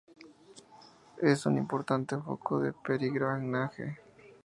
Es un importante foco de peregrinaje.